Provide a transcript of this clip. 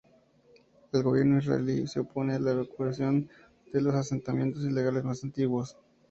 El gobierno israelí se opone a la evacuación de los asentamientos ilegales más antiguos.